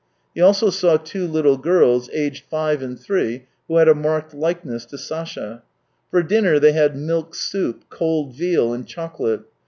He also saw two little girls, aged five and three, who had a marked likeness to Sasha. For dinner they had milk soup, cold veal, and chocolate.